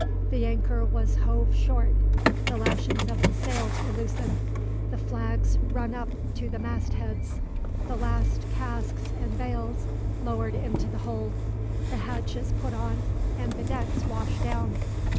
The anchor was hove short, the lashings of the sails were loosened, the flags run up to the mast heads, the last casks and bales lowered into the hold, the hatches put on, and the decks washed down.